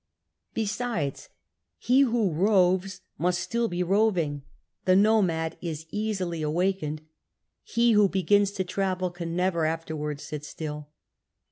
Besides, he who roves must still be roving ; the nomad is easily awakened ; ho who begins to travel can never afterwards sit still.